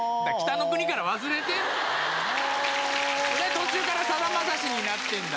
途中からさだまさしになって。